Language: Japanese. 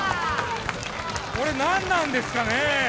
これ何なんですかね？